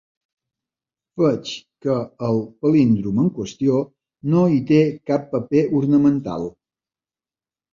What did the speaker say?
Veig que el palíndrom en qüestió no hi té cap paper ornamental.